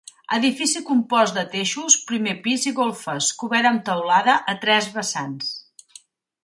Edifici compost de teixos, primer pis i golfes, cobert amb teulada a tres vessants.